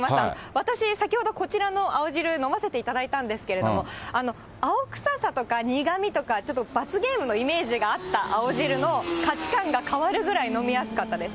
私、先ほどこちらの青汁飲ませていただいたんですけど、青臭さとか苦みとか、ちょっと罰ゲームのイメージがあった青汁の価値観が変わるぐらい飲みやすかったです。